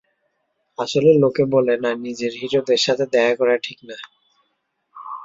আসলে, লোকে বলে না, নিজের হিরোদের সাথে দেখা করা ঠিক না।